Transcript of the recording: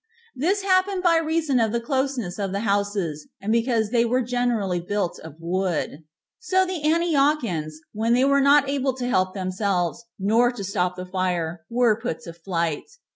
This happened by reason of the closeness of the houses, and because they were generally built of wood. So the Antiochians, when they were not able to help themselves, nor to stop the fire, were put to flight.